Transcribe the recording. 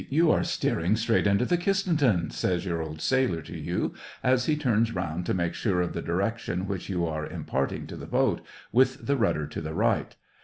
you are steering straight into the Kistentin," * says your old sailor to you as he turns round to make sure of the direction which you are imparting to the boat, with the rudder to the right.